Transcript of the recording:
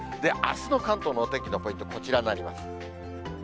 あすの関東のお天気のポイント、こちらになります。